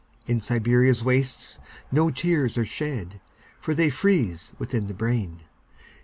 In Siberia's wastesNo tears are shed, For they freeze within the brain.